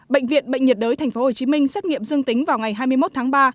bệnh viện bệnh nhiệt đới tp hcm xét nghiệm dương tính vào ngày hai mươi một tháng ba